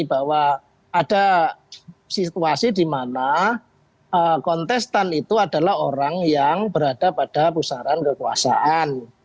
bahwa ada situasi di mana kontestan itu adalah orang yang berada pada pusaran kekuasaan